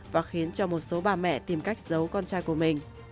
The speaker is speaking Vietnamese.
và khiến cho một số bà mẹ tìm cách giấu con trai của mình